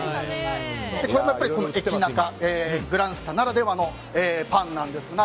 これも、やっぱり駅ナカグランスタならではのパンなんですが。